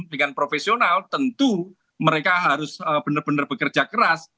dan profesional tentu mereka harus benar benar bekerja keras